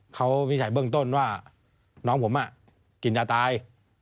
เขามีใส่เบื้องต้นว่าน้องผมอ่ะกินจะตาย